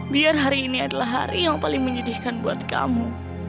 biar hari ini adalah hari yang paling menyedihkan buat kamu